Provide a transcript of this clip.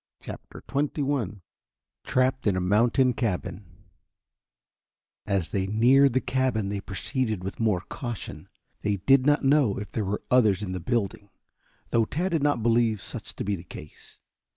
CHAPTER XXI TRAPPED IN A MOUNTAIN CABIN As they neared the cabin they proceeded with more caution. They did not know if there were others in the building, though Tad did not believe such to be the case.